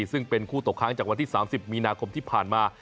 ซึ่งเป็นคู่ตกค้างจากวันที่๓๐มีนาคมที่ผ่านมา